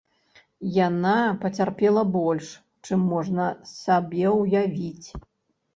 Яна пацярпела больш, чым можна сабе ўявіць.